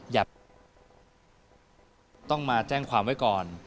อย่าต้องมาแจ้งความไว้ก่อน